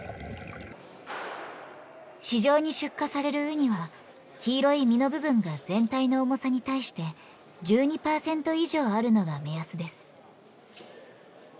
市場に出荷されるウニは黄色い身の部分が全体の重さに対して１２パーセント以上あるのが目安です。